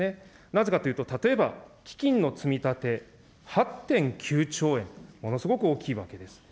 なぜかというと、例えば基金の積み立て８．９兆円、ものすごく大きいわけです。